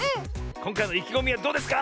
こんかいのいきごみはどうですか？